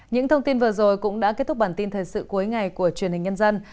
những thông tin vừa rồi cũng đã kết thúc bản tin thời sự cuối ngày của truyền hình nhân dân